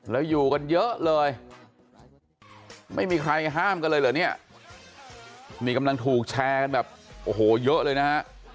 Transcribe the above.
แล้วอยู่กันเยอะเลยไม่มีใครห้ามกันเลยเหรอเนี่ยนี่กำลังถูกแชร์กันแบบโอ้โหเยอะเลยนะฮะ